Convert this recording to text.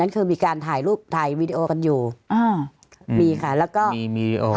คือมีการถ่ายรูปถ่ายวีดีโอกันอยู่อ่ามีค่ะแล้วก็มีมีวีดีโอกัน